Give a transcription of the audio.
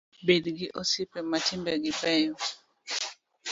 Bed gi osiepe ma timbe gi ber